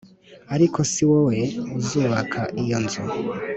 Ariko si wowe uzubaka iyo nzu